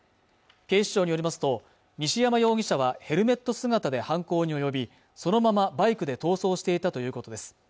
警視庁によりますと西山容疑者はヘルメット姿で犯行に及びそのままバイクで逃走していたということです